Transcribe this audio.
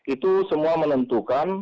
itu semua menentukan